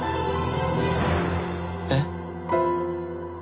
えっ？